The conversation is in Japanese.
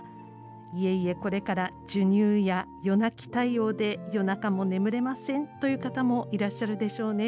いえいえ、これから授乳や夜泣き対応で夜中も眠れませんという方もいらっしゃるでしょうね。